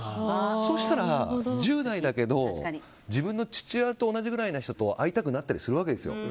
そうしたら１０代だけど自分の父親と同じくらいの人と会いたくなったりするわけですよ。